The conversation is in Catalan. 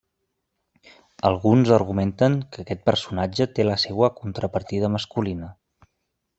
Alguns argumenten que aquest personatge té la seua contrapartida masculina.